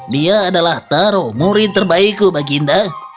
dia adalah taruh murid terbaikku baginda